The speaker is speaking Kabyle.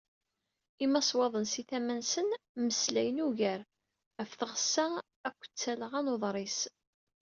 Imaswaḍen si tama-nsen, mmeslayen ugar ɣef tɣessa akked talɣa n uḍris.